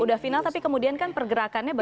sudah final tapi kemudian kan pergerakannya